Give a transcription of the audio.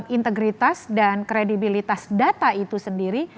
integritas dan kredibilitas data itu sendiri